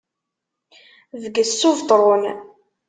Bges s ubetṛun.